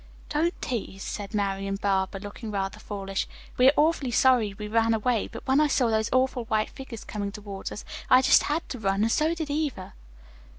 '" "Don't tease," said Marian Barber, looking rather foolish. "We are awfully sorry we ran away, but when I saw those awful white figures coming toward us, I just had to run and so did Eva.